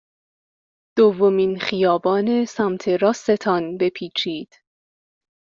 دومین خیابان سمت راست تان بپیچید.